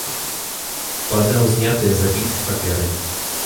Падаў знятыя з забітых паперы.